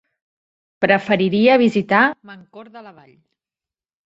Preferiria visitar Mancor de la Vall.